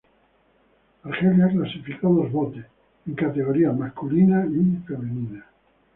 Argelia clasificó dos botes, en categoría masculina y femenina.